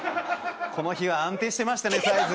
この日は安定してましたねサイズ。